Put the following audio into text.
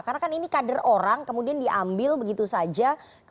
karena kan ini kader orang kemudian diambil begitu saja